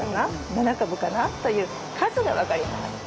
７株かな？という数が分かります。